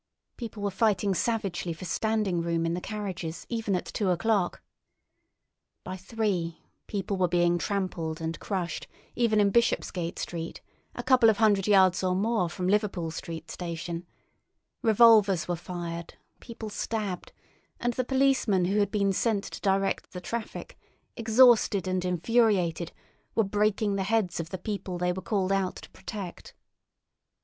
People were fighting savagely for standing room in the carriages even at two o'clock. By three, people were being trampled and crushed even in Bishopsgate Street, a couple of hundred yards or more from Liverpool Street station; revolvers were fired, people stabbed, and the policemen who had been sent to direct the traffic, exhausted and infuriated, were breaking the heads of the people they were called out to protect.